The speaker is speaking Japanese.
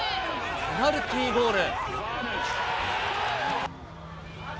ペナルティゴール。